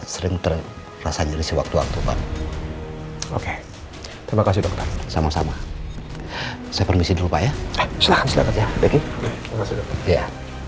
yang terasa nyerisi waktu waktu pak oke terima kasih dokter sama sama saya permisi dulu pak ya